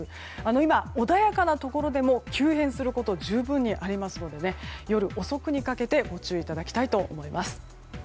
今、穏やかなところでも急変すること十分にありますので夜遅くにかけてご注意いただきたいと思います。